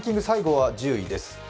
最後は１０位です。